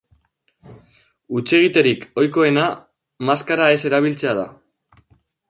Hutsegiterik ohikoena maskara ez erabiltzea da.